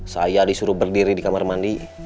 saya disuruh berdiri di kamar mandi